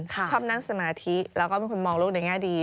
ชอบนั่งสมาธิแล้วก็เป็นคนมองลูกในแง่ดี